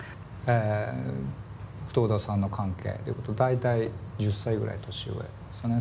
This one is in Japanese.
僕と小田さんの関係っていうと大体１０歳ぐらい年上ですよね。